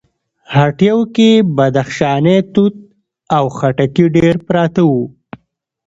هټيو کې بدخشانی توت او خټکي ډېر پراته وو.